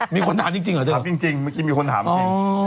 มีคนถามจริงเหรอเธอถามจริงเมื่อกี้มีคนถามจริง